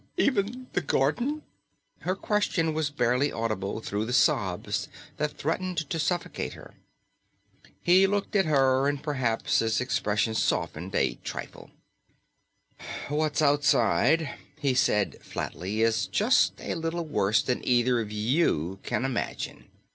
"Even the garden?" Her question was barely audible through the sobs that threatened to suffocate her. He looked at her and perhaps his expression softened just a trifle. "What's outside," he said flatly, "is just a little worse than either of you can imagine."